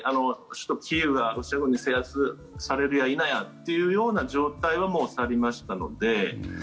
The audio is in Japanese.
首都キーウがロシア軍に占領されるや否やという状態はもう去りましたので。